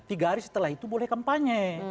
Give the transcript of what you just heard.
tiga hari setelah itu boleh kampanye